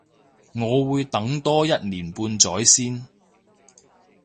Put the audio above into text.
我會等多一年半載先